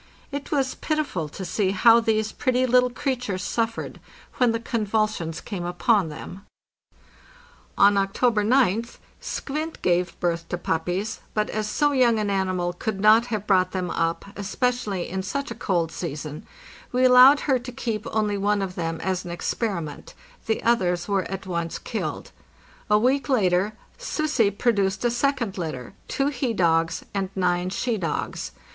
It was pitiful to see how these pretty little creatures suffered when the convulsions came upon them. II.—42 658 APPENDIX On October oth "Skvint" gave birth to puppies, but as so young an animal could not have brought them up, especially in such a cold season, we allowed her to keep only one of them as an experiment; the others were at once killed. A week later " Sussi'' produced a second litter, two he dogs and nine she dogs.